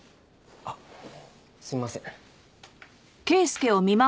あっすいません。